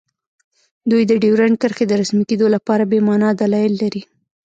دوی د ډیورنډ کرښې د رسمي کیدو لپاره بې مانا دلایل لري